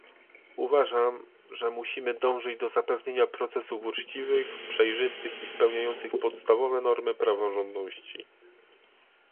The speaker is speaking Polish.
Uważam, że musimy dążyć do zapewnienia procesów uczciwych, przejrzystych i spełniających podstawowe normy praworządności